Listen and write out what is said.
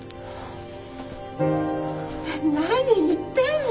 何言ってんの。